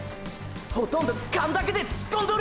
ほとんど勘だけで突っ込んどる！！